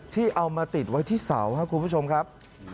ที่เอามาติดไว้ที่เสาครับคุณผู้ชมครับ